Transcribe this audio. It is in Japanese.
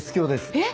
えっ！